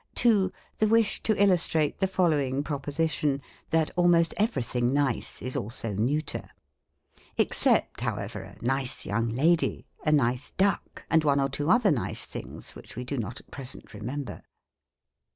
2, The wish to illustrate the following proposition, *' That almost everything nice is also neuter." Except, however, a nice young lady, a nice duck, and one or two other nice things, which we do not at present remember.